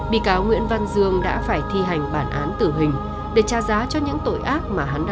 bị cáo nguyễn văn dương đã phải thi hành bản án tử hình để tra giá cho những tội ác mà hắn đã gây ra